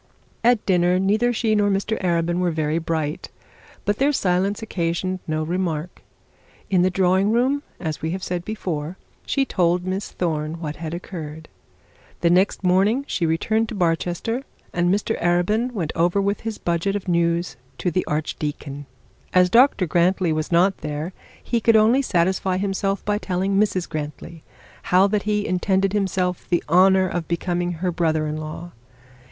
At dinner neither she nor Mr Arabin were very bright, but their silence occasioned no remark. In the drawing room, as we have before said, she told Miss Thorne what had occurred. The next morning she returned to Barchester, and Mr Arabin went over with his budget of news to the archdeacon. As Dr Grantly was not there, he could only satisfy himself by telling Mrs Grantly how that he intended himself the honour of becoming her brother in law.